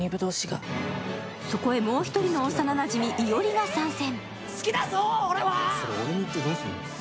そこへもう１人の幼なじみ伊織が参戦。